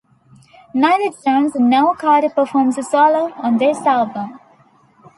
Neither Jones nor Carter performs a solo on this album.